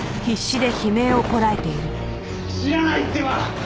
知らないってば！